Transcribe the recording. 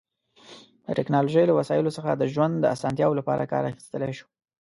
د ټیکنالوژی له وسایلو څخه د ژوند د اسانتیا لپاره کار اخیستلی شو